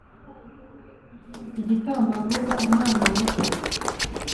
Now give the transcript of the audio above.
igitambambuga umwana muto